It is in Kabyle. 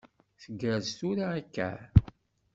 Tgerrez tura akka?